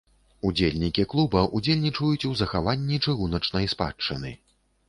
Удзельнікі клуба ўдзельнічаюць у захаванні чыгуначнай спадчыны.